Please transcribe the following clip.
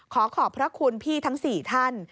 ขอขอบพระคุณพี่ทั้ง๔ท่าน